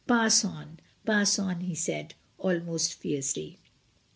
Pass on — pass on," he said, almost fiercely.